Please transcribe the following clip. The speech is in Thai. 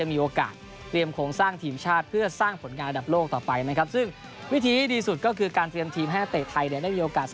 พอเพิ่มโควต้าในเอเชียนเนี่ยเราควรจะมีโอกาส